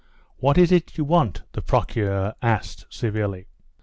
"What is it you want?" the Procureur asked, severely.